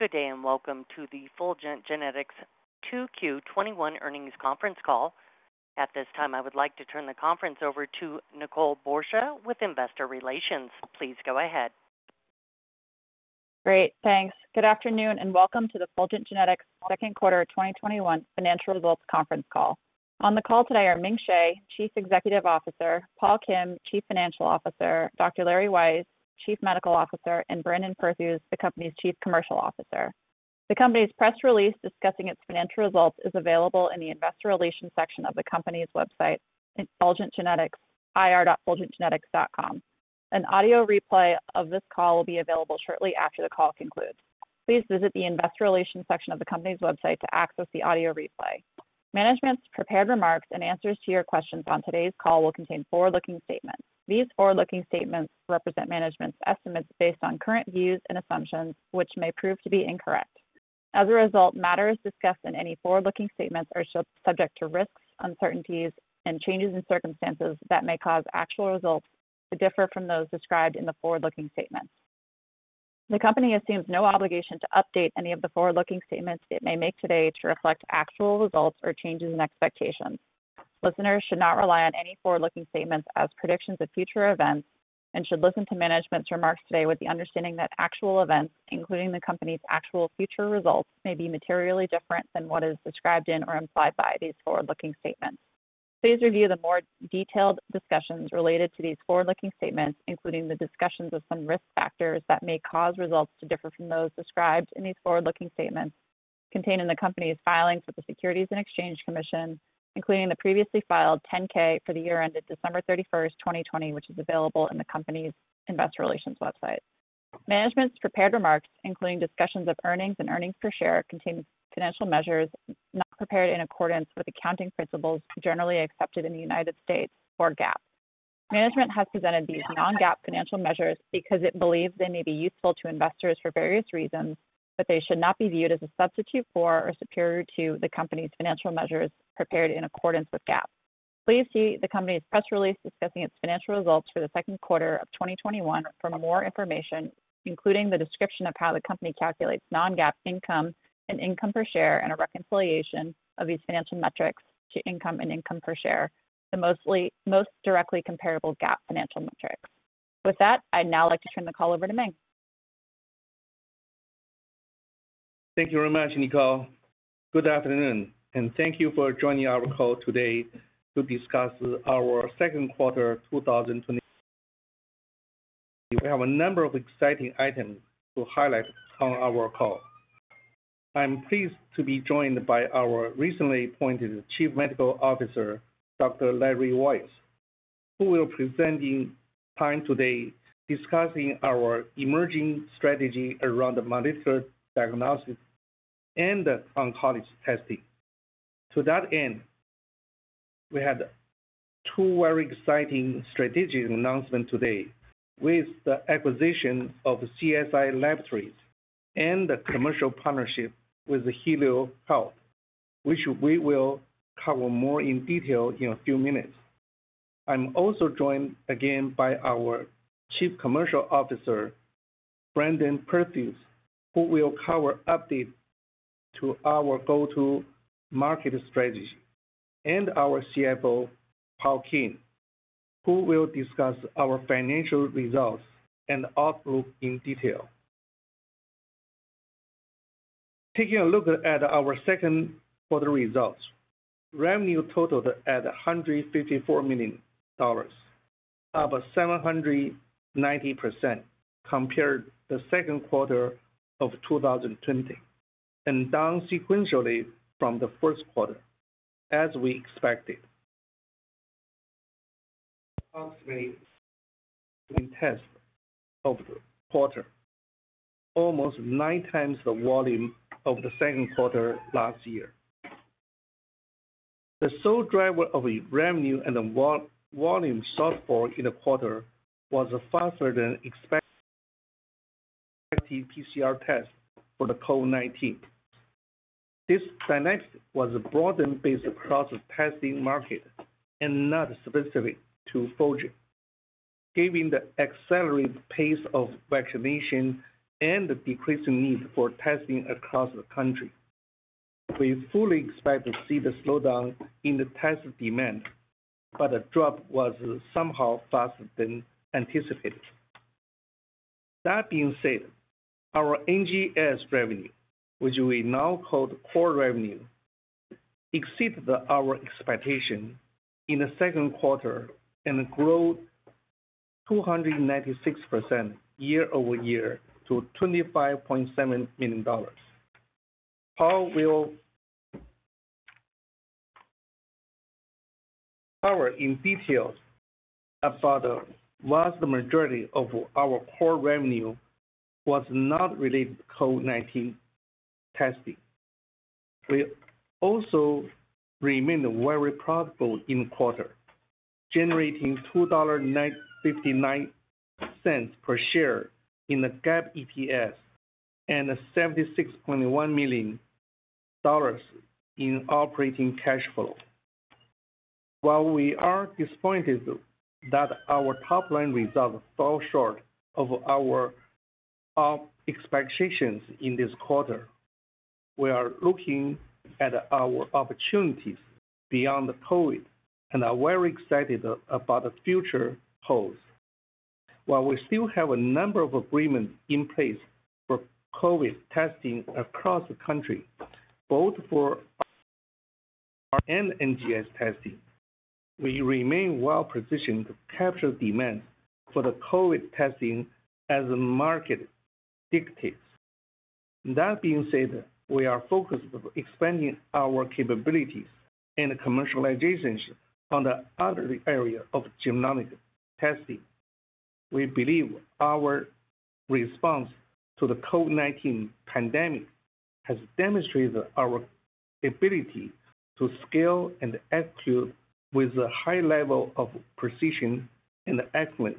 Good day, and welcome to the Fulgent Genetics Q2 2021 Earnings Conference Call. At this time, I would like to turn the conference over to Nicole Borsje with Investor Relations. Please go ahead. Great, thanks. Good afternoon, and welcome to the Fulgent Genetics second quarter 2021 financial results conference call. On the call today are Ming Hsieh, Chief Executive Officer, Paul Kim, Chief Financial Officer, Dr. Larry Weiss, Chief Medical Officer, and Brandon Perthuis, the company's Chief Commercial Officer. The company's press release discussing its financial results is available in the investor relations section of the company's website, Fulgent Genetics, ir.fulgentgenetics.com. An audio replay of this call will be available shortly after the call concludes. Please visit the investor relations section of the company's website to access the audio replay. Management's prepared remarks and answers to your questions on today's call will contain forward-looking statements. These forward-looking statements represent management's estimates based on current views and assumptions, which may prove to be incorrect. As a result, matters discussed in any forward-looking statements are subject to risks, uncertainties, and changes in circumstances that may cause actual results to differ from those described in the forward-looking statements. The company assumes no obligation to update any of the forward-looking statements it may make today to reflect actual results or changes in expectations. Listeners should not rely on any forward-looking statements as predictions of future events and should listen to management's remarks today with the understanding that actual events, including the company's actual future results, may be materially different than what is described in or implied by these forward-looking statements. Please review the more detailed discussions related to these forward-looking statements, including the discussions of some risk factors that may cause results to differ from those described in these forward-looking statements contained in the company's filings with the Securities and Exchange Commission, including the previously filed 10-K for the year ended December 31st, 2020, which is available on the company's investor relations website. Management's prepared remarks, including discussions of earnings and earnings per share, contain financial measures not prepared in accordance with accounting principles generally accepted in the United States or GAAP. Management has presented these non-GAAP financial measures because it believes they may be useful to investors for various reasons, but they should not be viewed as a substitute for or superior to the company's financial measures prepared in accordance with GAAP. Please see the company's press release discussing its financial results for the second quarter of 2021 for more information, including the description of how the company calculates non-GAAP income and income per share, and a reconciliation of these financial metrics to income and income per share, the most directly comparable GAAP financial metrics. With that, I'd now like to turn the call over to Ming. Thank you very much, Nicole Borsje. Good afternoon, and thank you for joining our call today to discuss our second quarter 2021. We have a number of exciting items to highlight on our call. I'm pleased to be joined by our recently appointed Chief Medical Officer, Dr. Larry Weiss, who will present in time today discussing our emerging strategy around the molecular diagnostics and the oncology testing. To that end, we have two very exciting strategic announcements today with the acquisition of the CSI Laboratories and the commercial partnership with Helio Health, which we will cover more in detail in a few minutes. I'm also joined again by our Chief Commercial Officer, Brandon Perthuis, who will cover updates to our go-to-market strategy, and our CFO, Paul Kim, who will discuss our financial results and outlook in detail. Taking a look at our second quarter results, revenue totaled at $154 million, up 790% compared the second quarter of 2020, and down sequentially from the first quarter, as we expected. Approximately tests over the quarter, almost 9x the volume of the second quarter last year. The sole driver of the revenue and the volume shortfall in the quarter was a faster-than-expected PCR test for the COVID-19. This dynamics was broadened based across the testing market and not specific to Fulgent. Given the accelerated pace of vaccination and the decreased need for testing across the country, we fully expect to see the slowdown in the test demand. A drop was somehow faster than anticipated. That being said, our NGS revenue, which we now call Core Revenue, exceeded our expectation in the second quarter and grew 296% year-over-year to $25.7 million. Paul will cover in detail about the vast majority of our Core Revenue was not related to COVID-19 testing. We also remained very profitable in quarter, generating $2.59 per share in the GAAP EPS and $76.1 million in operating cash flow. While we are disappointed that our top-line results fall short of our expectations in this quarter, we are looking at our opportunities beyond the COVID and are very excited about the future holds. While we still have a number of agreements in place for COVID testing across the country, both for our NGS testing, we remain well-positioned to capture demand for the COVID testing as the market dictates. That being said, we are focused on expanding our capabilities and commercial relationships on the other area of genomic testing. We believe our response to the COVID-19 pandemic has demonstrated our ability to scale and execute with a high level of precision and excellence,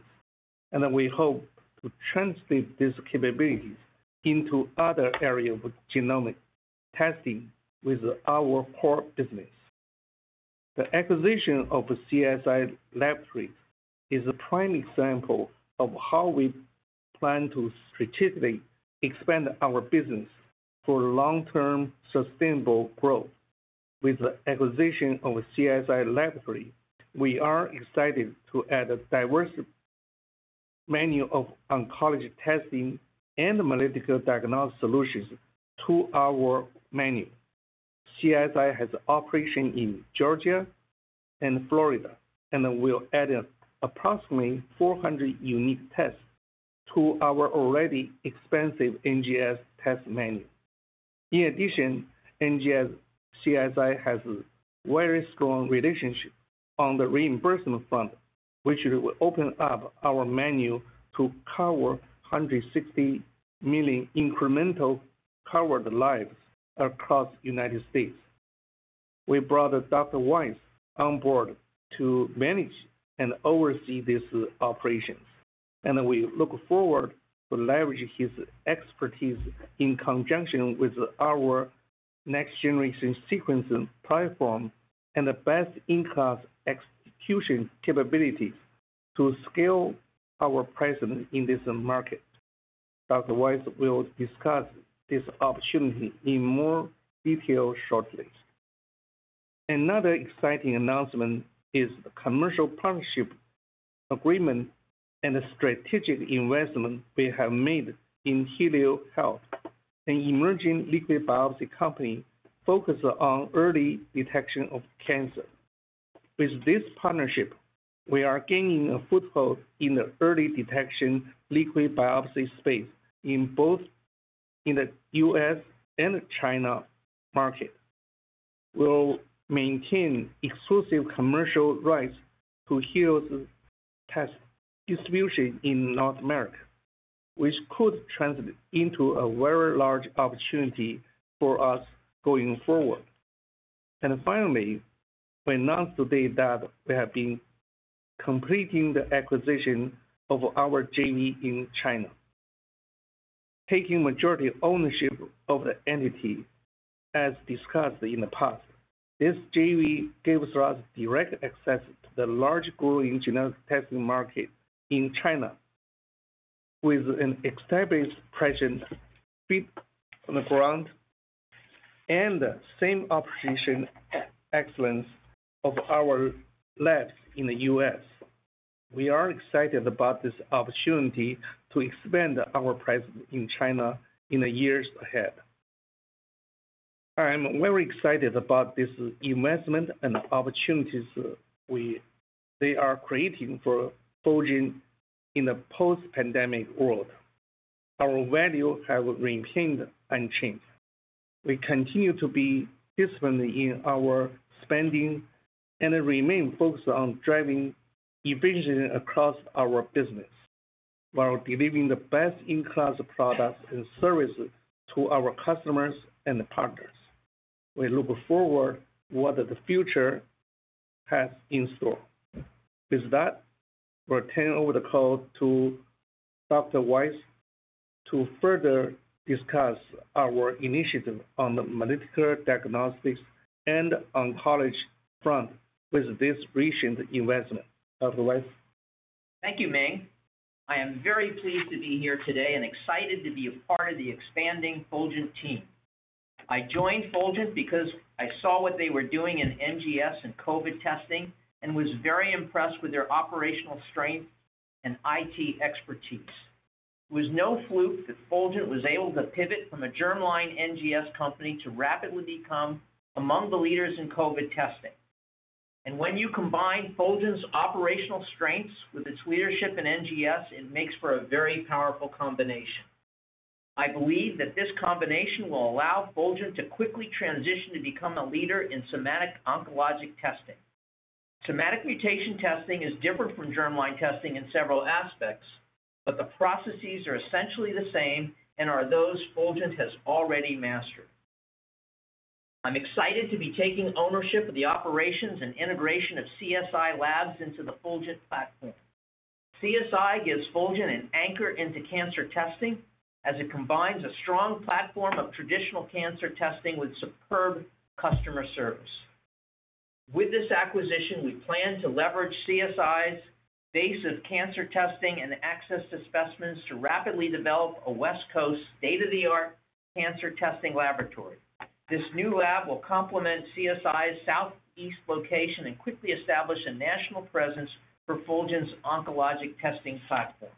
and we hope to translate these capabilities into other areas of genomic testing with our Core Business. The acquisition of CSI Laboratories is a prime example of how we plan to strategically expand our business for long-term sustainable growth. With the acquisition of CSI Laboratories, we are excited to add a diverse menu of oncology testing and analytical diagnostic solutions to our menu. CSI has operations in Georgia and Florida and will add approximately 400 unique tests to our already expansive NGS test menu. In addition, CSI has very strong relationships on the reimbursement front, which will open up our menu to cover 160 million incremental covered lives across the United States. We brought Dr. Weiss on board to manage and oversee these operations, and we look forward to leveraging his expertise in conjunction with our next-generation sequencing platform and best-in-class execution capabilities to scale our presence in this market. Dr. Weiss will discuss this opportunity in more detail shortly. Another exciting announcement is the commercial partnership agreement and strategic investment we have made in Helio Health, an emerging Liquid Biopsy company focused on early detection of cancer. With this partnership, we are gaining a foothold in the early detection Liquid Biopsy space in both the U.S. and China market. We will maintain exclusive commercial rights to Helio's test distribution in North America, which could translate into a very large opportunity for us going forward. Finally, we announced today that we have been completing the acquisition of our JV in China, taking majority ownership of the entity. As discussed in the past, this JV gives us direct access to the large, growing genomic testing market in China with an established presence, feet on the ground, and the same operational excellence of our labs in the U.S. We are excited about this opportunity to expand our presence in China in the years ahead. I am very excited about this investment and opportunities they are creating for Fulgent in a post-pandemic world. Our values have remained unchanged. We continue to be disciplined in our spending and remain focused on driving efficiency across our business, while delivering the best-in-class products and services to our customers and partners. We look forward what the future has in store. With that, we'll turn over the call to Dr. Weiss to further discuss our initiative on the medical diagnostics and oncology front with this recent investment. Dr. Weiss? Thank you, Ming. I am very pleased to be here today and excited to be a part of the expanding Fulgent team. I joined Fulgent because I saw what they were doing in NGS and COVID testing and was very impressed with their operational strength and IT expertise. It was no fluke that Fulgent was able to pivot from a germline NGS company to rapidly become among the leaders in COVID testing. When you combine Fulgent's operational strengths with its leadership in NGS, it makes for a very powerful combination. I believe that this combination will allow Fulgent to quickly transition to become a leader in Somatic Oncologic Testing. Somatic mutation testing is different from germline testing in several aspects, but the processes are essentially the same and are those Fulgent has already mastered. I'm excited to be taking ownership of the operations and integration of CSI labs into the Fulgent platform. CSI gives Fulgent an anchor into cancer testing as it combines a strong platform of traditional cancer testing with superb customer service. With this acquisition, we plan to leverage CSI's base of cancer testing and access to specimens to rapidly develop a West Coast state-of-the-art cancer testing laboratory. This new lab will complement CSI's Southeast location and quickly establish a national presence for Fulgent's oncologic testing platform.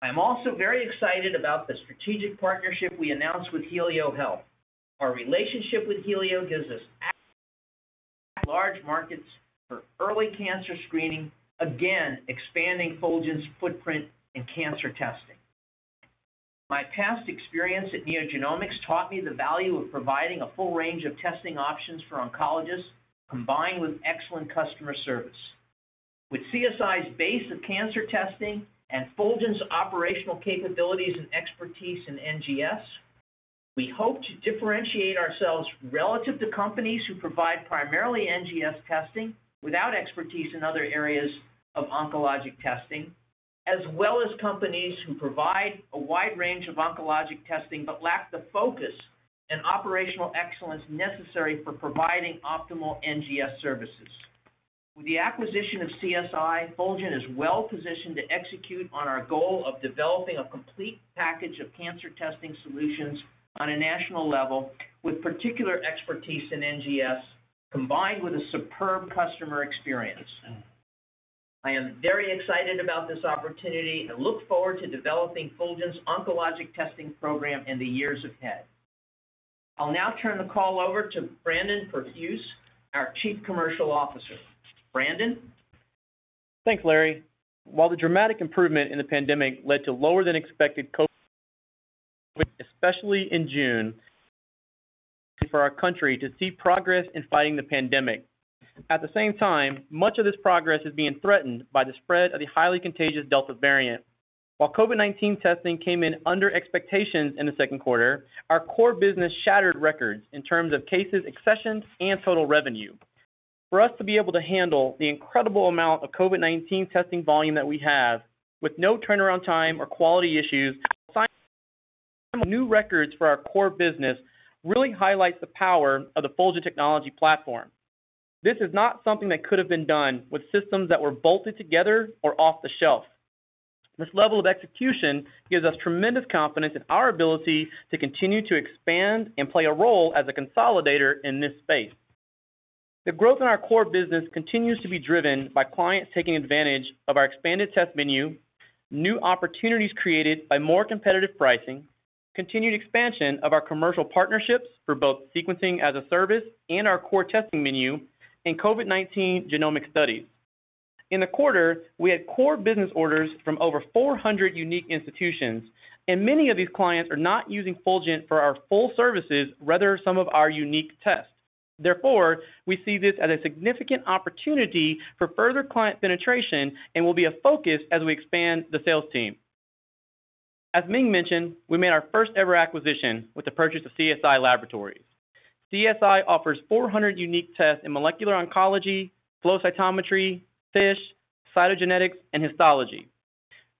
I'm also very excited about the strategic partnership we announced with Helio Health. Our relationship with Helio gives us access to large markets for early cancer screening, again, expanding Fulgent's footprint in cancer testing. My past experience at NeoGenomics taught me the value of providing a full range of testing options for oncologists, combined with excellent customer service. With CSI's base of cancer testing and Fulgent's operational capabilities and expertise in NGS, we hope to differentiate ourselves relative to companies who provide primarily NGS testing without expertise in other areas of oncologic testing, as well as companies who provide a wide range of oncologic testing, but lack the focus and operational excellence necessary for providing optimal NGS services. With the acquisition of CSI, Fulgent is well-positioned to execute on our goal of developing a complete package of cancer testing solutions on a national level, with particular expertise in NGS, combined with a superb customer experience. I am very excited about this opportunity and look forward to developing Fulgent's oncologic testing program in the years ahead. I'll now turn the call over to Brandon Perthuis, our Chief Commercial Officer. Brandon? Thanks, Larry Weiss. While the dramatic improvement in the pandemic led to lower than expected COVID-19 testing, especially in June, it was encouraging for our country to see progress in fighting the pandemic. At the same time, much of this progress is being threatened by the spread of the highly contagious Delta variant. While COVID-19 testing came in under expectations in the second quarter, our Core Business shattered records in terms of cases, accessions, and total revenue. For us to be able to handle the incredible amount of COVID-19 testing volume that we have with no turnaround time or quality issues, while simultaneously setting new records for our Core Business, really highlights the power of the Fulgent technology platform. This is not something that could have been done with systems that were bolted together or off-the-shelf. This level of execution gives us tremendous confidence in our ability to continue to expand and play a role as a consolidator in this space. The growth in our Core Business continues to be driven by clients taking advantage of our expanded test menu, new opportunities created by more competitive pricing, continued expansion of our commercial partnerships for both sequencing as a service and our core testing menu, and COVID-19 genomic studies. In the quarter, we had Core Business orders from over 400 unique institutions, and many of these clients are not using Fulgent for our full services, rather some of our unique tests. Therefore, we see this as a significant opportunity for further client penetration and will be a focus as we expand the sales team. As Ming mentioned, we made our first-ever acquisition with the purchase of CSI Laboratories. CSI offers 400 unique tests in molecular oncology, flow cytometry, FISH, cytogenetics, and histology.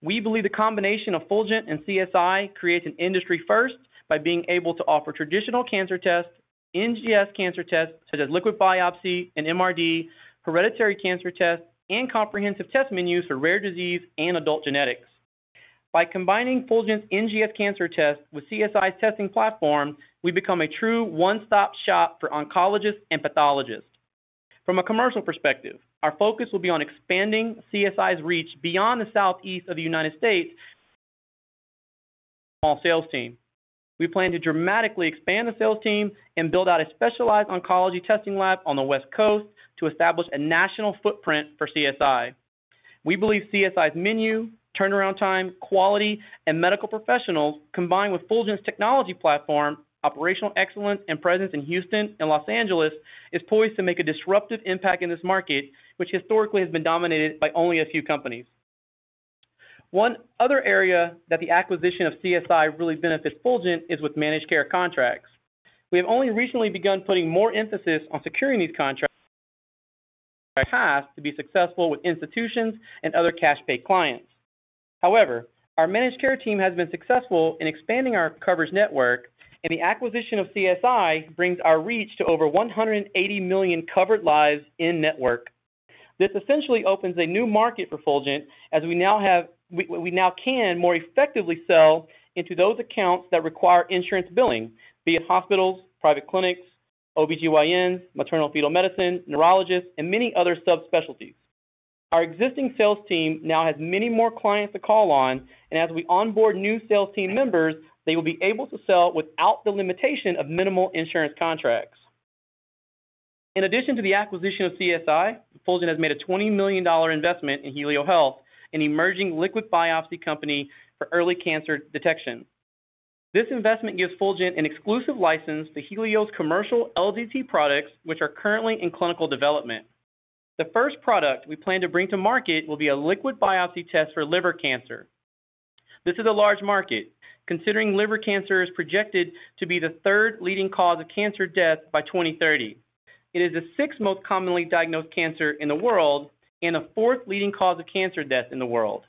We believe the combination of Fulgent and CSI creates an industry first by being able to offer traditional cancer tests, NGS cancer tests, such as Liquid Biopsy and MRD, hereditary cancer tests, and comprehensive test menus for rare disease and adult genetics. By combining Fulgent's NGS cancer test with CSI's testing platform, we become a true one-stop shop for oncologists and pathologists. From a commercial perspective, our focus will be on expanding CSI's reach beyond the Southeast of the United States with our small sales team. We plan to dramatically expand the sales team and build out a specialized oncology testing lab on the West Coast to establish a national footprint for CSI. We believe CSI's menu, turnaround time, quality, and medical professionals, combined with Fulgent's technology platform, operational excellence, and presence in Houston and Los Angeles, is poised to make a disruptive impact in this market, which historically has been dominated by only a few companies. One other area that the acquisition of CSI really benefits Fulgent is with managed care contracts. We have only recently begun putting more emphasis on securing these contracts, as we know that they are necessary to have to be successful with institutions and other cash pay clients. However, our managed care team has been successful in expanding our coverage network, and the acquisition of CSI brings our reach to over 180 million covered lives in-network. This essentially opens a new market for Fulgent, as we now can more effectively sell into those accounts that require insurance billing, be it hospitals, private clinics, OB-GYNs, maternal-fetal medicine, neurologists, and many other subspecialties. Our existing sales team now has many more clients to call on, and as we onboard new sales team members, they will be able to sell without the limitation of minimal insurance contracts. In addition to the acquisition of CSI, Fulgent has made a $20 million investment in Helio Health, an emerging Liquid Biopsy company for early cancer detection. This investment gives Fulgent an exclusive license to Helio's commercial LDT products, which are currently in clinical development. The first product we plan to bring to market will be a Liquid Biopsy test for liver cancer. This is a large market, considering liver cancer is projected to be the third leading cause of cancer death by 2030. It is the sixth most commonly diagnosed cancer in the world, and the fourth leading cause of cancer death in the world.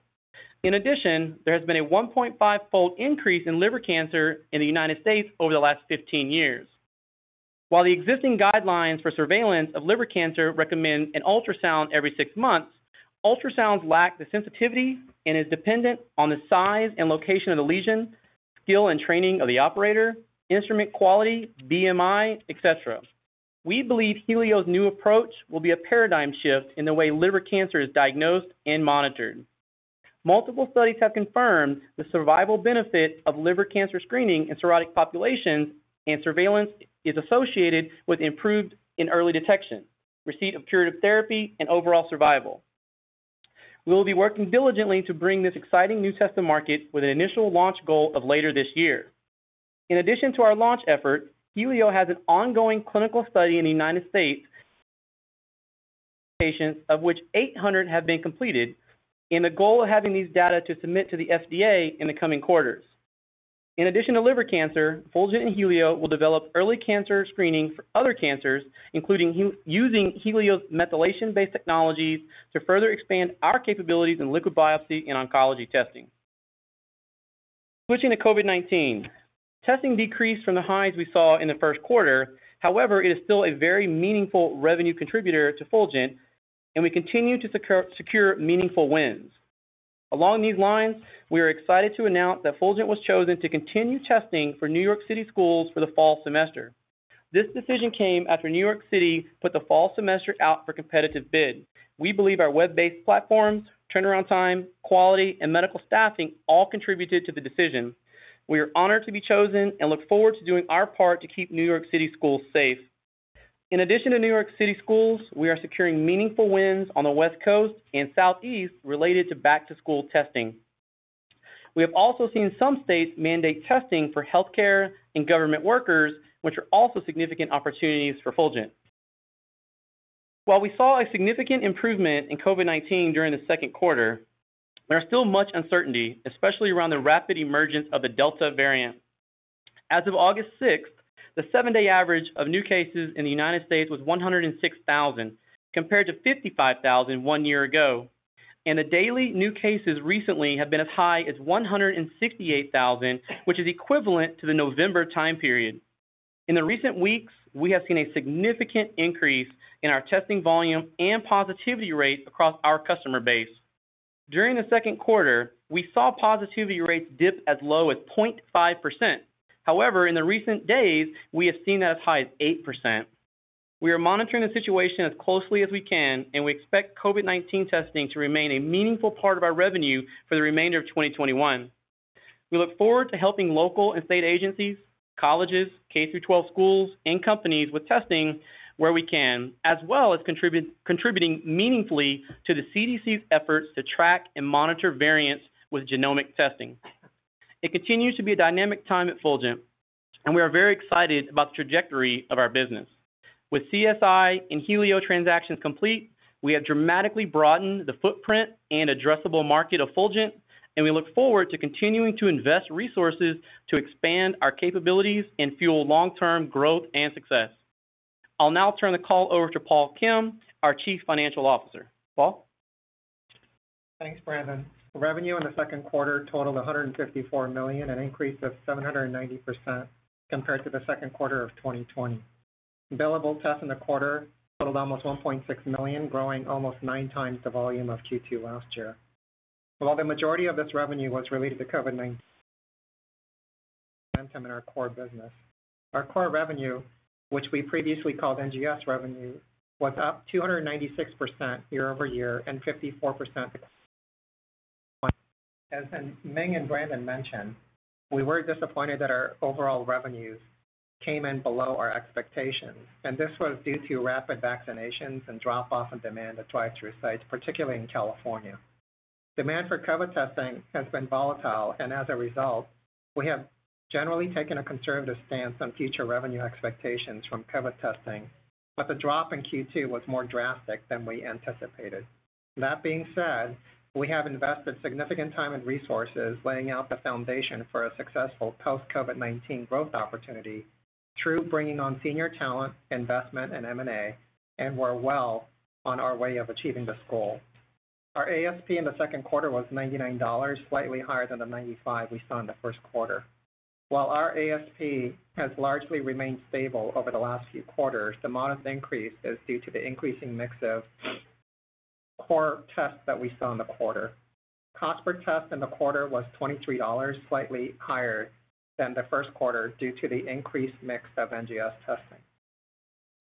In addition, there has been a 1.5x increase in liver cancer in the U.S. over the last 15 years. While the existing guidelines for surveillance of liver cancer recommend an ultrasound every six months, ultrasounds lack the sensitivity and is dependent on the size and location of the lesion, skill and training of the operator, instrument quality, BMI, et cetera. We believe Helio's new approach will be a paradigm shift in the way liver cancer is diagnosed and monitored. Multiple studies have confirmed the survival benefit of liver cancer screening in cirrhotic populations, and surveillance is associated with improved and early detection, receipt of curative therapy, and overall survival. We will be working diligently to bring this exciting new test to market with an initial launch goal of later this year. In addition to our launch effort, Helio has an ongoing clinical study in the United States patients, of which 800 have been completed, and the goal of having these data to submit to the FDA in the coming quarters. In addition to liver cancer, Fulgent and Helio will develop early cancer screening for other cancers, including using Helio's methylation-based technologies to further expand our capabilities in Liquid Biopsy and oncology testing. Switching to COVID-19. Testing decreased from the highs we saw in the first quarter. However, it is still a very meaningful revenue contributor to Fulgent, and we continue to secure meaningful wins. Along these lines, we are excited to announce that Fulgent was chosen to continue testing for New York City schools for the fall semester. This decision came after New York City put the fall semester out for competitive bid. We believe our web-based platforms, turnaround time, quality, and medical staffing all contributed to the decision. We are honored to be chosen and look forward to doing our part to keep New York City schools safe. In addition to New York City schools, we are securing meaningful wins on the West Coast and Southeast related to back-to-school testing. We have also seen some states mandate testing for healthcare and government workers, which are also significant opportunities for Fulgent. While we saw a significant improvement in COVID-19 during the second quarter, there is still much uncertainty, especially around the rapid emergence of the Delta variant. As of August 6th, 2021 the seven-day average of new cases in the United States was 106,000, compared to 55,000 one year ago, and the daily new cases recently have been as high as 168,000, which is equivalent to the November time period. In the recent weeks, we have seen a significant increase in our testing volume and positivity rate across our customer base. During the second quarter, we saw positivity rates dip as low as 0.5%. However, in the recent days, we have seen as high as 8%. We are monitoring the situation as closely as we can, and we expect COVID-19 testing to remain a meaningful part of our revenue for the remainder of 2021. We look forward to helping local and state agencies, colleges, K-12 schools, and companies with testing where we can, as well as contributing meaningfully to the CDC's efforts to track and monitor variants with genomic testing. It continues to be a dynamic time at Fulgent, and we are very excited about the trajectory of our business. With CSI and Helio transactions complete, we have dramatically broadened the footprint and addressable market of Fulgent, and we look forward to continuing to invest resources to expand our capabilities and fuel long-term growth and success. I'll now turn the call over to Paul Kim, our Chief Financial Officer. Paul? Thanks, Brandon. Revenue in the second quarter totaled $154 million, an increase of 790% compared to the second quarter of 2020. Billable tests in the quarter totaled almost 1.6 million, growing almost 9x the volume of Q2 last year. While the majority of this revenue was related to COVID-19, in our Core Business. Our Core Revenue, which we previously called NGS revenue, was up 296% year-over-year and 54%. As Ming Hsieh and Brandon Perthuis mentioned, we were disappointed that our overall revenues came in below our expectations, and this was due to rapid vaccinations and drop-off in demand at drive-thru sites, particularly in California. Demand for COVID testing has been volatile, and as a result, we have generally taken a conservative stance on future revenue expectations from COVID testing, but the drop in Q2 was more drastic than we anticipated. That being said, we have invested significant time and resources laying out the foundation for a successful post-COVID-19 growth opportunity through bringing on senior talent, investment, and M&A, and we're well on our way of achieving this goal. Our ASP in the second quarter was $99, slightly higher than the $95 we saw in the first quarter. While our ASP has largely remained stable over the last few quarters, the modest increase is due to the increasing mix of core tests that we saw in the quarter. Cost per test in the quarter was $23, slightly higher than the first quarter due to the increased mix of NGS testing.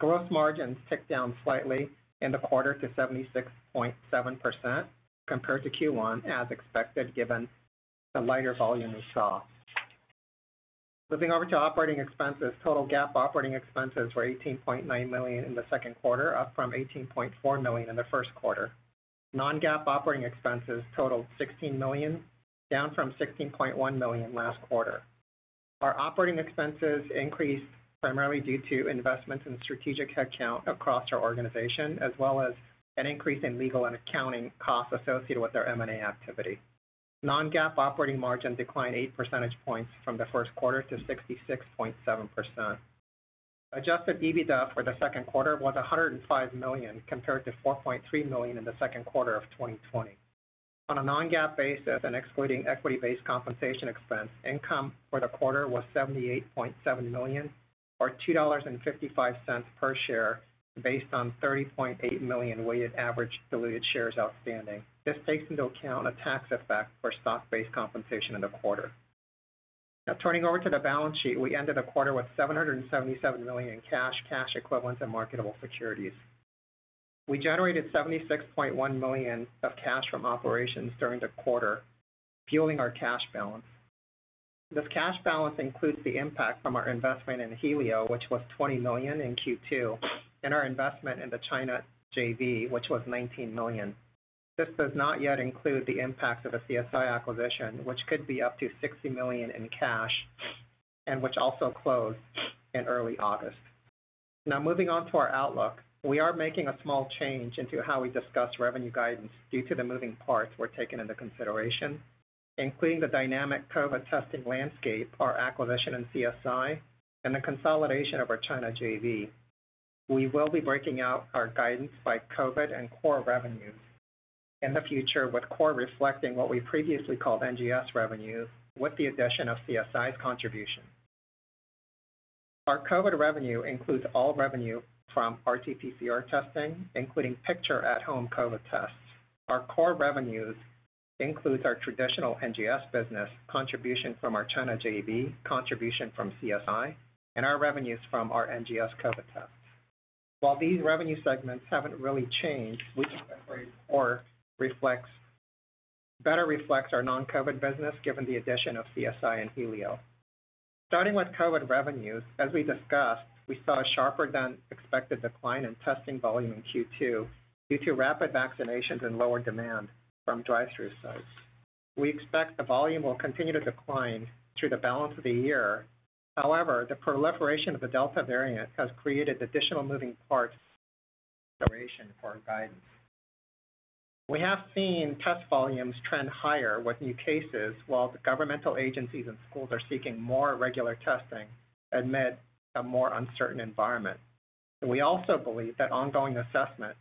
Gross margins ticked down slightly in the quarter to 76.7% compared to Q1, as expected, given the lighter volume we saw. Moving over to operating expenses, total GAAP operating expenses were $18.9 million in the second quarter, up from $18.4 million in the first quarter. Non-GAAP operating expenses totaled $16 million, down from $16.1 million last quarter. Our operating expenses increased primarily due to investments in strategic headcount across our organization, as well as an increase in legal and accounting costs associated with our M&A activity. Non-GAAP operating margin declined eight percentage points from the first quarter to 66.7%. Adjusted EBITDA for the second quarter was $105 million, compared to $4.3 million in the second quarter of 2020. On a non-GAAP basis and excluding equity-based compensation expense, income for the quarter was $78.7 million, or $2.55 per share, based on 30.8 million weighted average diluted shares outstanding. This takes into account a tax effect for stock-based compensation in the quarter. Now turning over to the balance sheet, we ended the quarter with $777 million in cash equivalents, and marketable securities. We generated $76.1 million of cash from operations during the quarter, fueling our cash balance. This cash balance includes the impact from our investment in Helio, which was $20 million in Q2, and our investment in the China JV, which was $19 million. This does not yet include the impact of a CSI acquisition, which could be up to $60 million in cash, and which also closed in early August. Now moving on to our outlook. We are making a small change into how we discuss revenue guidance due to the moving parts we're taking into consideration, including the dynamic COVID testing landscape, our acquisition in CSI, and the consolidation of our China JV. We will be breaking out our guidance by COVID and Core Revenue in the future, with core reflecting what we previously called NGS revenue with the addition of CSI's contribution. Our COVID revenue includes all revenue from RT-PCR testing, including PCR at-home COVID tests. Our Core Revenues includes our traditional NGS business, contribution from our China JV, contribution from CSI, and our revenues from our NGS COVID test. While these revenue segments haven't really changed, we think that our core better reflects our non-COVID business, given the addition of CSI and Helio. Starting with COVID revenues, as we discussed, we saw a sharper than expected decline in testing volume in Q2 due to rapid vaccinations and lower demand from drive-through sites. The proliferation of the Delta variant has created additional moving parts consideration for our guidance. We have seen test volumes trend higher with new cases while the governmental agencies and schools are seeking more regular testing amid a more uncertain environment. We also believe that ongoing assessment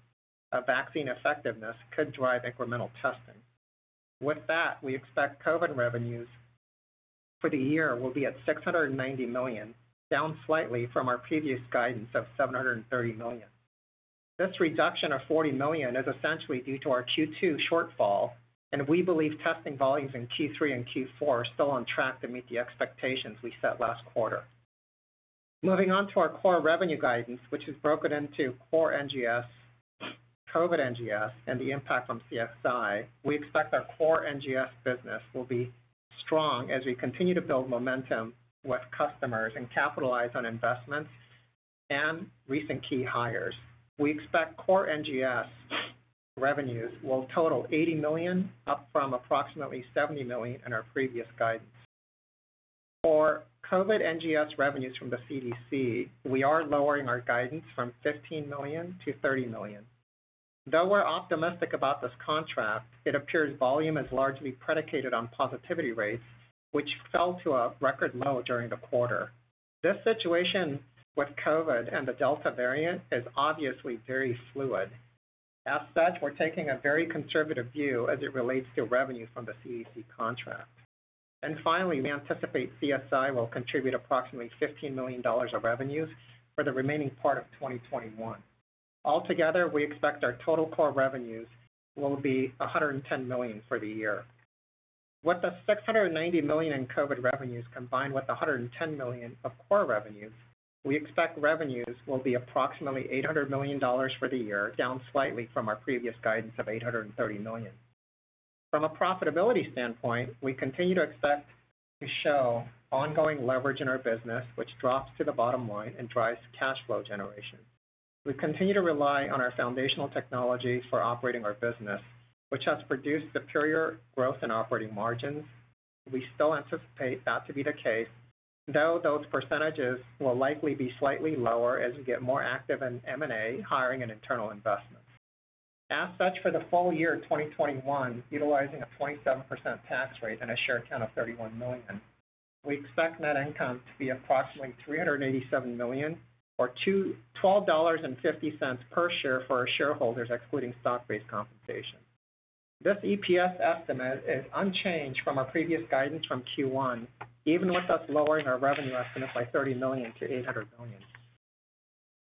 of vaccine effectiveness could drive incremental testing. With that, we expect COVID revenues for the year will be at $690 million, down slightly from our previous guidance of $730 million. This reduction of $40 million is essentially due to our Q2 shortfall, and we believe testing volumes in Q3 and Q4 are still on track to meet the expectations we set last quarter. Moving on to our Core Revenue guidance, which is broken into core NGS, COVID NGS, and the impact from CSI. We expect our core NGS business will be strong as we continue to build momentum with customers and capitalize on investments and recent key hires. We expect core NGS revenues will total $80 million, up from approximately $70 million in our previous guidance. For COVID NGS revenues from the CDC, we are lowering our guidance from $15 million-$30 million. Though we're optimistic about this contract, it appears volume is largely predicated on positivity rates, which fell to a record low during the quarter. This situation with COVID and the Delta variant is obviously very fluid. We're taking a very conservative view as it relates to revenue from the CDC contract. Finally, we anticipate CSI will contribute approximately $15 million of revenues for the remaining part of 2021. Altogether, we expect our total Core Revenues will be $110 million for the year. With the $690 million in COVID-19 revenues combined with the $110 million of Core Revenues, we expect revenues will be approximately $800 million for the year, down slightly from our previous guidance of $830 million. From a profitability standpoint, we continue to expect to show ongoing leverage in our business, which drops to the bottom line and drives cash flow generation. We continue to rely on our foundational technology for operating our business, which has produced superior growth and operating margins. We still anticipate that to be the case, though those percentages will likely be slightly lower as we get more active in M&A, hiring, and internal investments. As such, for the full year 2021, utilizing a 27% tax rate and a share count of 31 million, we expect net income to be approximately $387 million, or $12.50 per share for our shareholders, excluding stock-based compensation. This EPS estimate is unchanged from our previous guidance from Q1, even with us lowering our revenue estimates by $30 million to $800 million.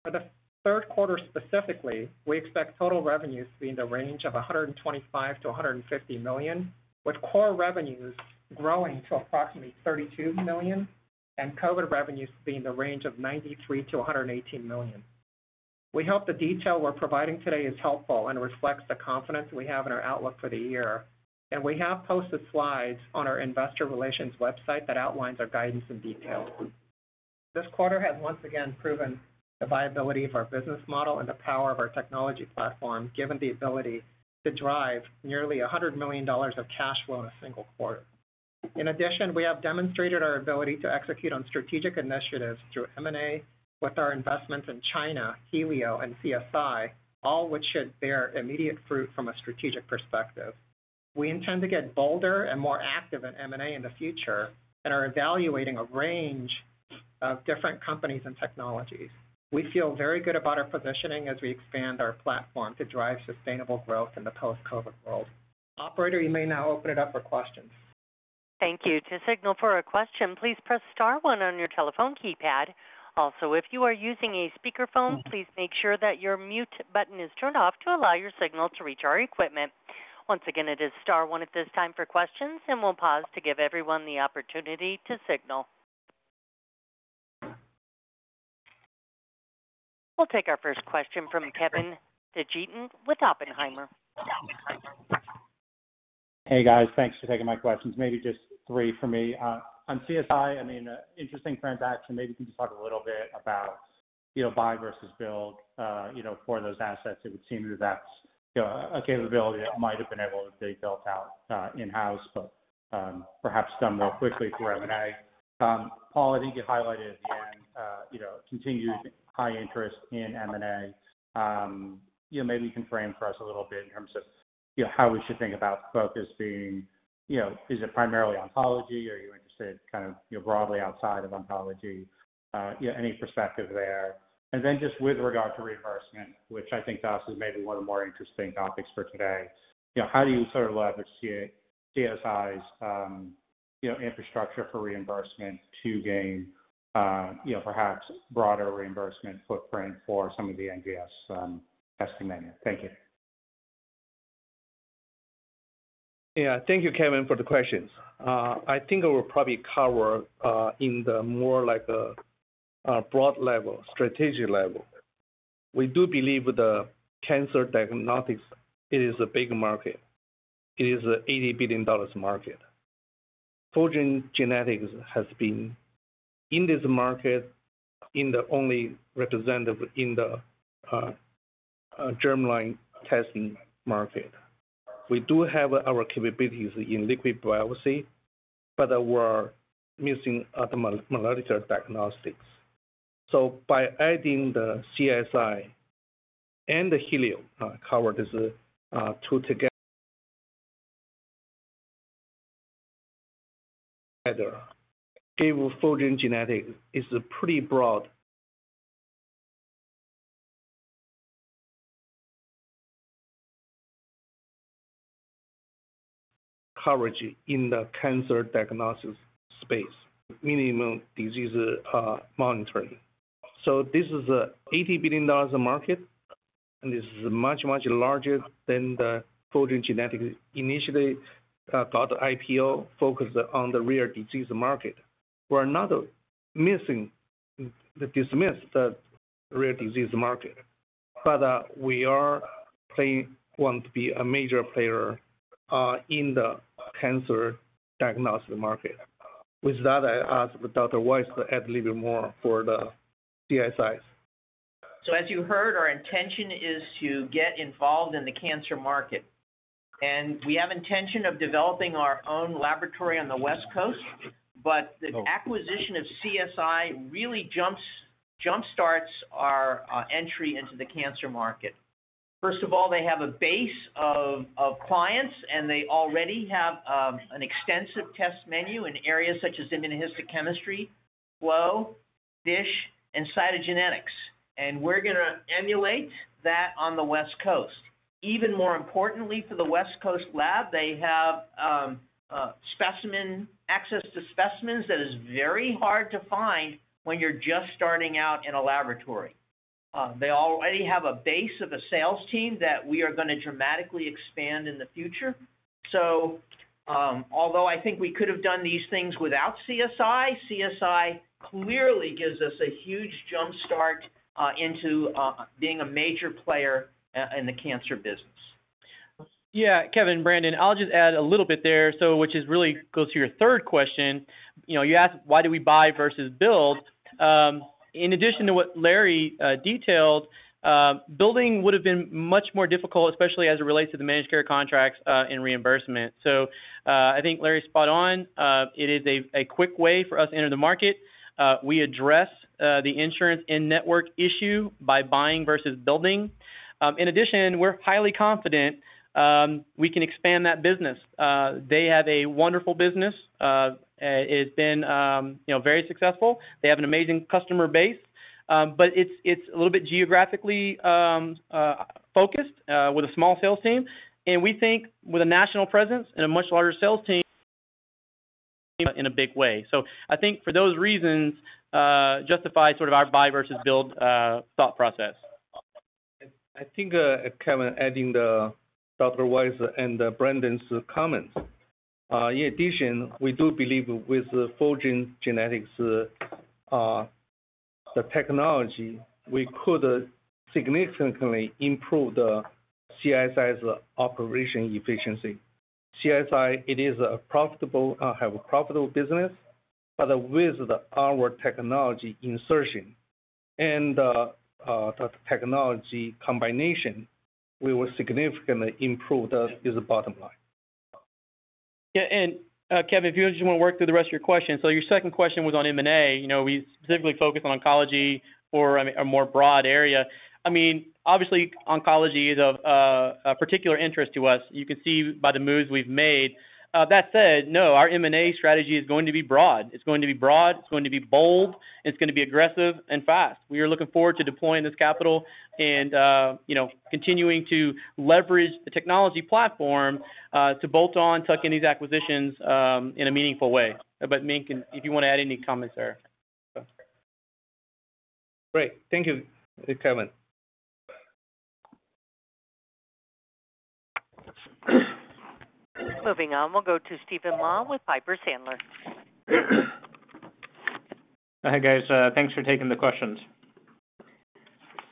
For the third quarter specifically, we expect total revenues to be in the range of $125 million-$150 million, with Core Revenues growing to approximately $32 million and COVID revenues to be in the range of $93 million-$118 million. We hope the detail we're providing today is helpful and reflects the confidence we have in our outlook for the year, and we have posted slides on our investor relations website that outlines our guidance in detail. This quarter has once again proven the viability of our business model and the power of our technology platform, given the ability to drive nearly $100 million of cash flow in a single quarter. In addition, we have demonstrated our ability to execute on strategic initiatives through M&A with our investments in China, Helio, and CSI, all which should bear immediate fruit from a strategic perspective. We intend to get bolder and more active in M&A in the future and are evaluating a range of different companies and technologies. We feel very good about our positioning as we expand our platform to drive sustainable growth in the post-COVID world. Operator, you may now open it up for questions. Thank you. To signal for a question, please press star one on your telephone keypad. Also, if you are using a speakerphone, please make sure that your mute button is turned off to allow your signal to reach our equipment. Once again, it is star one at this time for questions, and we'll pause to give everyone the opportunity to signal. We'll take our first question from Kevin DeGeeter with Oppenheimer. Hey guys, thanks for taking my questions. Maybe just three from me. On CSI, interesting transaction. Maybe you can just talk a little bit about buy versus build for those assets. It would seem that that's a capability that might have been able to be built out in-house, but perhaps done more quickly through M&A. Paul, I think you highlighted at the end continued high interest in M&A. Maybe you can frame for us a little bit in terms of how we should think about focus being, is it primarily oncology? Are you interested kind of broadly outside of oncology? Any perspective there. Just with regard to reimbursement, which I think also is maybe one of the more interesting topics for today, how do you sort of leverage CSI's infrastructure for reimbursement to gain perhaps broader reimbursement footprint for some of the NGS testing menu? Thank you. Thank you, Kevin, for the questions. I think I will probably cover in the more broad level, strategic level. We do believe the cancer diagnostics is a big market. It is an $80 billion market. Fulgent Genetics has been in this market, and the only representative in the germline testing market. We do have our capabilities in Liquid Biopsy, we're missing other molecular diagnostics. By adding the CSI and the Helio covered as two together give Fulgent Genetics is a pretty broad coverage in the cancer diagnosis space, minimum disease monitoring. This is an $80 billion market, and this is much, much larger than the Fulgent Genetics initially got IPO focused on the rare disease market. We're not dismissed the rare disease market, we want to be a major player in the cancer diagnostic market. With that, I ask Dr. Weiss to add a little bit more for the CSIs. As you heard, our intention is to get involved in the cancer market. We have intention of developing our own laboratory on the West Coast, but the acquisition of CSI really jump-starts our entry into the cancer market. First of all, they have a base of clients, and they already have an extensive test menu in areas such as immunohistochemistry, flow, FISH, and cytogenetics. We're going to emulate that on the West Coast. Even more importantly for the West Coast lab, they have access to specimens that is very hard to find when you're just starting out in a laboratory. They already have a base of a sales team that we are going to dramatically expand in the future. Although I think we could have done these things without CSI clearly gives us a huge jump start into being a major player in the cancer business. Yeah. Kevin DeGeeter, Brandon Perthuis, I'll just add a little bit there, so which is really goes to your third question. You asked why do we buy versus build. In addition to what Larry Weiss detailed, building would've been much more difficult, especially as it relates to the managed care contracts and reimbursement. I think Larry Weiss's spot on. It is a quick way for us to enter the market. We address the insurance in-network issue by buying versus building. In addition, we're highly confident we can expand that business. They have a wonderful business. It's been very successful. They have an amazing customer base. It's a little bit geographically focused with a small sales team, and we think with a national presence and a much larger sales team in a big way. I think for those reasons justify sort of our buy versus build thought process. I think, Kevin, adding Dr. Weiss and Brandon's comments. In addition, we do believe with Fulgent Genetics'. The technology, we could significantly improve the CSI's operation efficiency. CSI, it is a profitable, have a profitable business, but with our technology insertion and the technology combination, we will significantly improve the bottom line. Yeah. Kevin, if you just want to work through the rest of your questions. Your second question was on M&A. We specifically focus on oncology or a more broad area. Obviously, oncology is of a particular interest to us. You can see by the moves we've made. That said, no, our M&A strategy is going to be broad. It's going to be broad, it's going to be bold, and it's going to be aggressive and fast. We are looking forward to deploying this capital and continuing to leverage the technology platform to bolt on, tuck in these acquisitions in a meaningful way. Ming, if you want to add any comments there. Great. Thank you, Kevin. Moving on, we'll go to Steven Mah with Piper Sandler. Hi, guys. Thanks for taking the questions.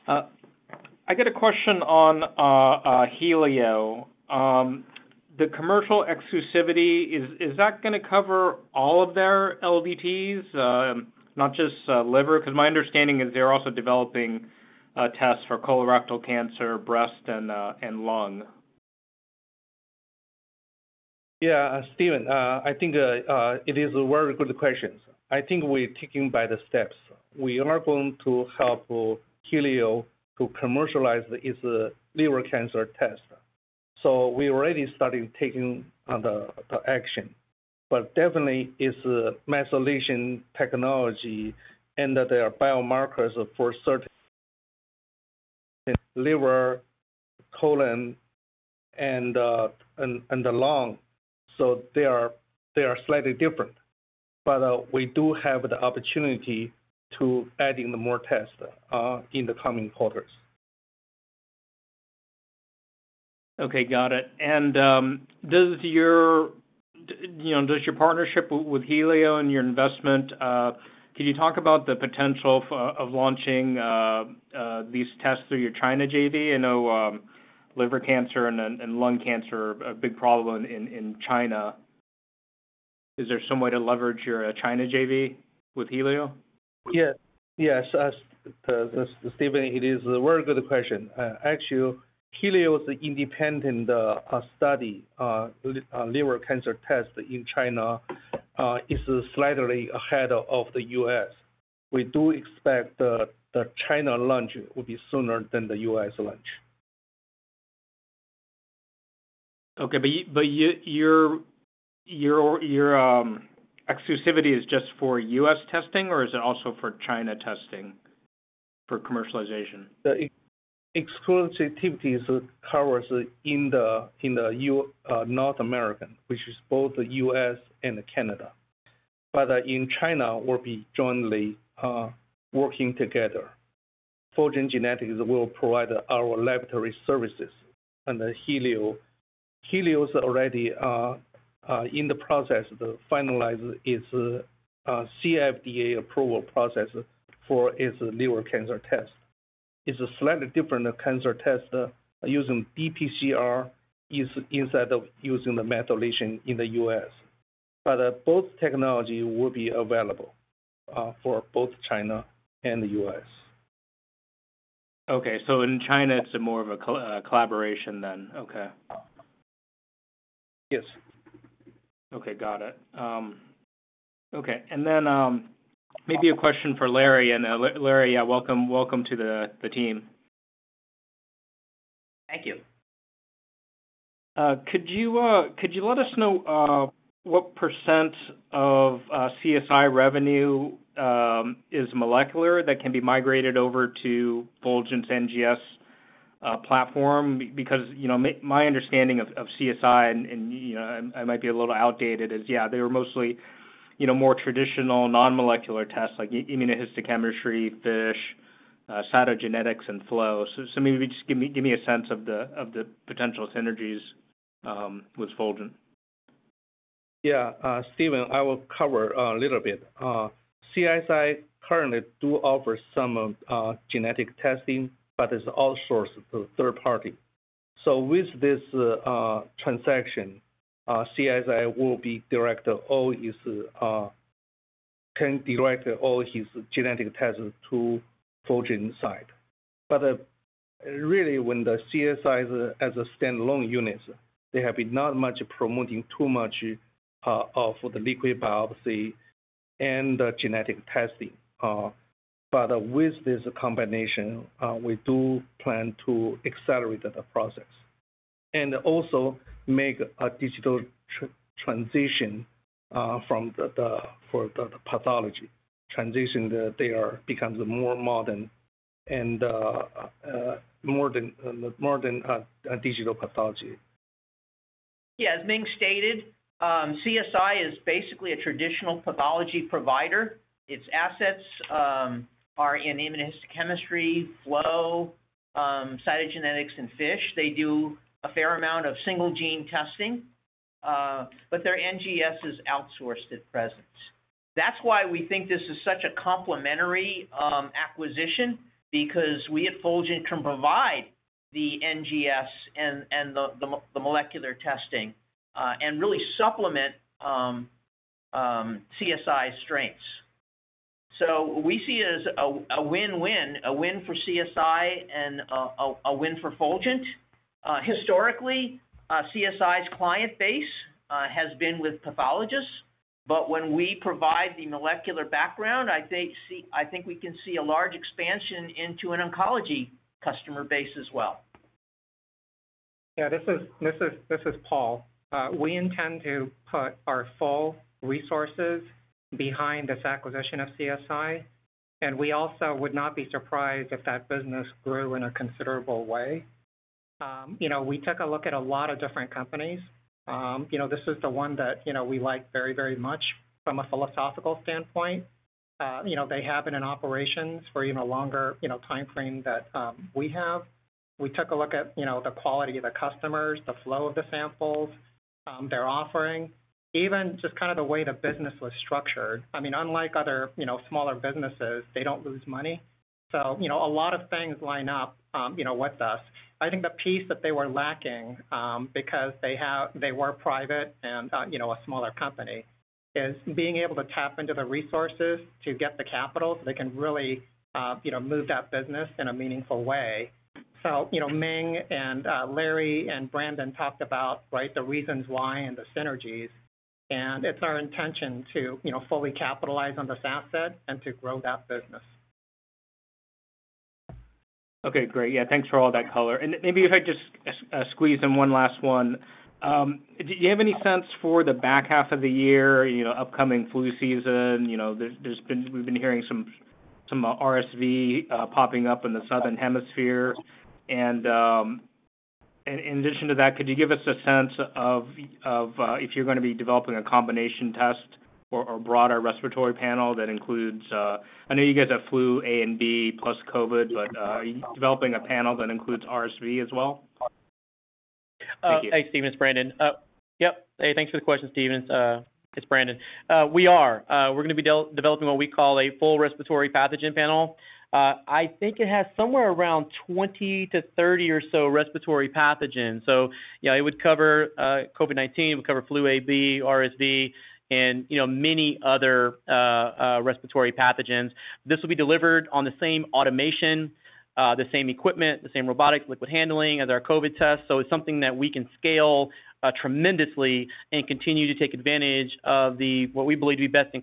I got a question on Helio. The commercial exclusivity, is that going to cover all of their LDTs, not just liver? Because my understanding is they're also developing tests for colorectal cancer, breast, and lung. Yeah, Steven, I think it is a very good question. I think we're taking by the steps. We are going to help Helio to commercialize its liver cancer test. We already started taking the action. Definitely, it's a methylation technology and that there are biomarkers for certain liver, colon, and the lung, so they are slightly different. We do have the opportunity to adding the more test in the coming quarters. Okay, got it. Does your partnership with Helio and your investment, can you talk about the potential of launching these tests through your China JV? I know liver cancer and lung cancer are a big problem in China. Is there some way to leverage your China JV with Helio? Yes. Steven, it is a very good question. Actually, Helio's independent study, liver cancer test in China, is slightly ahead of the U.S. We do expect the China launch will be sooner than the U.S. launch. Okay, your exclusivity is just for U.S. testing, or is it also for China testing for commercialization? The exclusivity covers in North America, which is both the U.S. and Canada. In China, we'll be jointly working together. Fulgent Genetics will provide our laboratory services, and Helio's already in the process of finalizing its CFDA approval process for its liver cancer test. It's a slightly different cancer test using PCR instead of using the methylation in the U.S. Both technology will be available for both China and the U.S. Okay. In China, it's more of a collaboration then. Okay. Yes. Okay. Got it. Okay. Maybe a question for Larry, and Larry, welcome to the team. Thank you. Could you let us know what percent of CSI revenue is molecular that can be migrated over to Fulgent's NGS platform? Because my understanding of CSI, and I might be a little outdated, is yeah, they were mostly more traditional, non-molecular tests like immunohistochemistry, FISH, cytogenetics, and flow. Maybe just give me a sense of the potential synergies with Fulgent. Yeah. Steven Mah, I will cover a little bit. CSI currently do offer some genetic testing, but it's all sourced through third party. With this transaction, CSI will be direct all its genetic testing to Fulgent side. Really when the CSI as a standalone unit, they have been not much promoting too much for the Liquid Biopsy and the genetic testing. With this combination, we do plan to accelerate the process and also make a digital transition for the pathology transition that they are becomes more modern and more than a digital pathology. Yeah. As Ming stated, CSI is basically a traditional pathology provider. Its assets are in immunohistochemistry, flow, cytogenetics, and FISH. They do a fair amount of single gene testing. Their NGS is outsourced at present. That's why we think this is such a complementary acquisition, because we at Fulgent can provide the NGS and the molecular testing and really supplement CSI's strengths. We see it as a win-win, a win for CSI and a win for Fulgent. Historically, CSI's client base has been with pathologists, but when we provide the molecular background, I think we can see a large expansion into an oncology customer base as well. Yeah, this is Paul. We intend to put our full resources behind this acquisition of CSI, and we also would not be surprised if that business grew in a considerable way. We took a look at a lot of different companies. This is the one that we like very much from a philosophical standpoint. They have been in operations for even a longer timeframe that we have. We took a look at the quality of the customers, the flow of the samples they're offering, even just the way the business was structured. Unlike other smaller businesses, they don't lose money. A lot of things line up with us. I think the piece that they were lacking, because they were private and a smaller company, is being able to tap into the resources to get the capital so they can really move that business in a meaningful way. Ming and Larry and Brandon talked about the reasons why and the synergies, and it's our intention to fully capitalize on this asset and to grow that business. Okay, great. Yeah, thanks for all that color. Maybe if I just squeeze in one last one. Do you have any sense for the back half of the year, upcoming flu season? We've been hearing some RSV popping up in the Southern Hemisphere. In addition to that, could you give us a sense of if you're going to be developing a combination test or a broader respiratory panel that includes, I know you guys have flu A and B plus COVID, but are you developing a panel that includes RSV as well? Thank you. Hey, Steven, it's Brandon. Yep. Hey, thanks for the question, Steven. It's Brandon. We are. We're going to be developing what we call a full respiratory pathogen panel. I think it has somewhere around 20 to 30 or so respiratory pathogens, so it would cover COVID-19, it would cover flu A, B, RSV, and many other respiratory pathogens. This will be delivered on the same automation, the same equipment, the same robotic liquid handling as our COVID test. It's something that we can scale tremendously and continue to take advantage of the, what we believe to be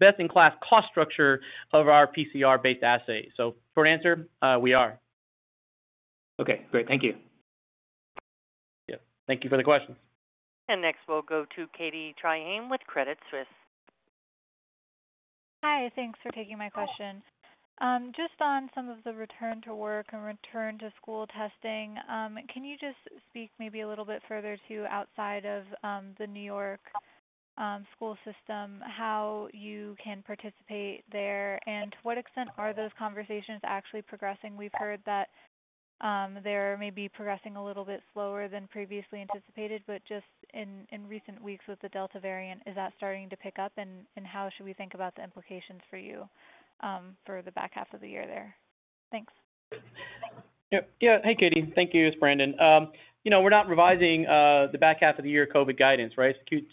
best-in-class cost structure of our PCR-based assay. For an answer, we are. Okay, great. Thank you. Yeah. Thank you for the question. Next we'll go to Katie Tryhane with Credit Suisse. Hi. Thanks for taking my question. Just on some of the return to work and return to school testing, can you just speak maybe a little bit further to outside of the New York school system, how you can participate there, and to what extent are those conversations actually progressing? We've heard that they may be progressing a little bit slower than previously anticipated, but just in recent weeks with the Delta variant, is that starting to pick up, and how should we think about the implications for you for the back half of the year there? Thanks. Yeah. Hey, Katie. Thank you. It's Brandon. We're not revising the back half of the year COVID guidance. Q3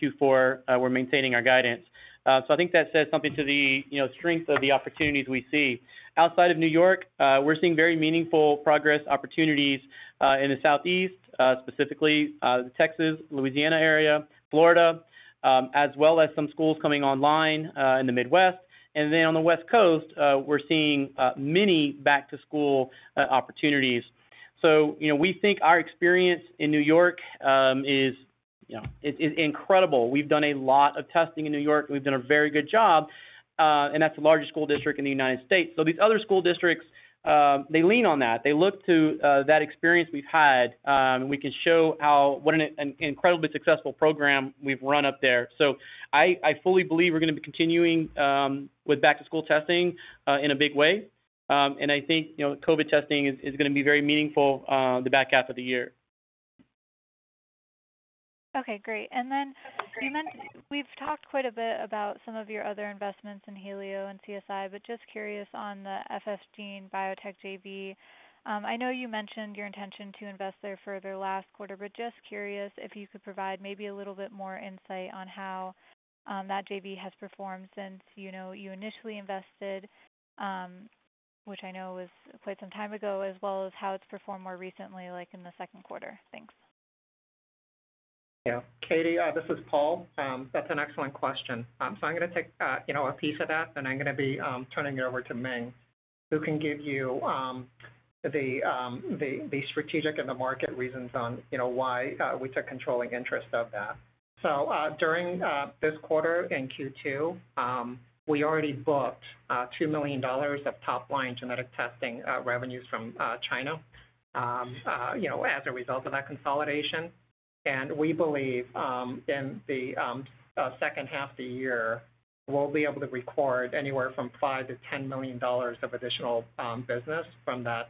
and Q4, we're maintaining our guidance. I think that says something to the strength of the opportunities we see. Outside of N.Y., we're seeing very meaningful progress opportunities in the Southeast, specifically the Texas, Louisiana area, Florida, as well as some schools coming online in the Midwest. On the West Coast, we're seeing many back-to-school opportunities. We think our experience in N.Y. is incredible. We've done a lot of testing in N.Y. We've done a very good job, that's the largest school district in the U.S. These other school districts, they lean on that. They look to that experience we've had, we can show what an incredibly successful program we've run up there. I fully believe we're going to be continuing with back-to-school testing in a big way. I think COVID testing is going to be very meaningful the back half of the year. Okay, great. You mentioned, we've talked quite a bit about some of your other investments in Helio and CSI, just curious on the FF Gene Biotech JV. I know you mentioned your intention to invest there further last quarter, just curious if you could provide maybe a little bit more insight on how that JV has performed since you initially invested, which I know was quite some time ago, as well as how it's performed more recently, like in the second quarter. Thanks. Yeah. Katie, this is Paul. That's an excellent question. I'm going to take a piece of that, then I'm going to be turning it over to Ming, who can give you the strategic and the market reasons on why we took controlling interest of that. During this quarter, in Q2, we already booked $2 million of top-line genetic testing revenues from China as a result of that consolidation. We believe in the second half of the year, we'll be able to record anywhere from $5 million-$10 million of additional business from that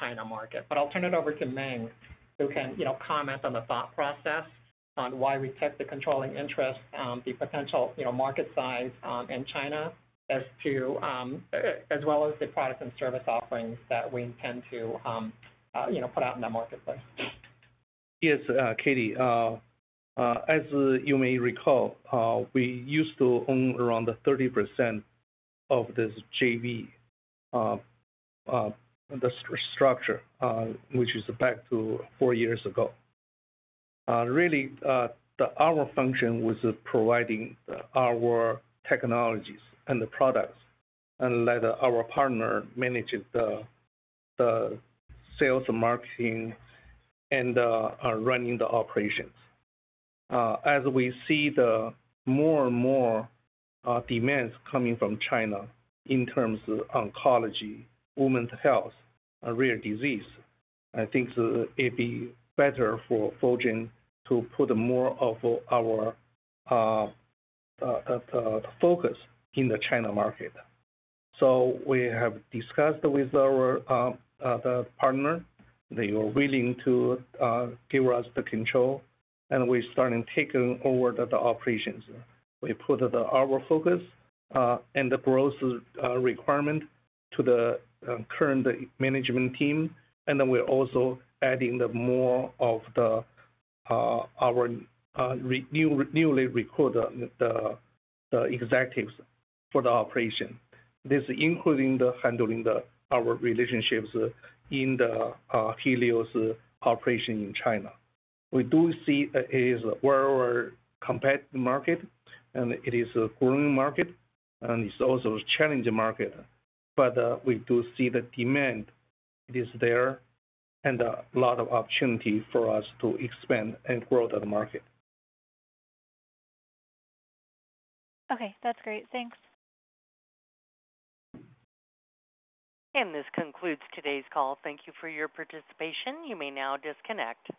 China market. I'll turn it over to Ming, who can comment on the thought process on why we took the controlling interest, the potential market size in China, as well as the products and service offerings that we intend to put out in the marketplace. Yes, Katie As you may recall, we used to own around 30% of this JV, the structure, which is back to four years ago. Really, our function was providing our technologies and the products and let our partner manage the sales and marketing and running the operations. As we see more and more demands coming from China in terms of oncology, women's health, rare disease, I think it'd be better for Fulgent to put more of our focus in the China market. We have discussed with our partner. They are willing to give us the control, and we're starting taking over the operations. We put our focus and the growth requirement to the current management team, and then we're also adding more of our newly recruited executives for the operation. This including handling our relationships in the Helio's operation in China. We do see it is a well-competed market, and it is a growing market, and it's also a challenging market. We do see the demand is there and a lot of opportunity for us to expand and grow the market. Okay. That's great. Thanks. This concludes today's call. Thank you for your participation. You may now disconnect.